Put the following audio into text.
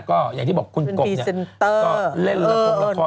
ก็อย่างที่บอกคุณกบเนี่ยก็เล่นละครละคร